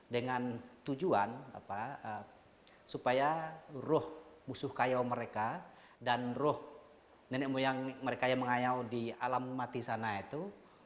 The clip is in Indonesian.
dengan tujuan supaya ruh musuh kayau mereka dan ruh nenek moyang mereka yang mengayau di alam mati sana itu